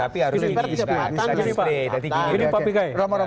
tapi harusnya diisytiharkan